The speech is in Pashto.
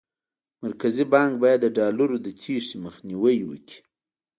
مرکزي بانک باید د ډالرو د تېښتې مخنیوی وکړي.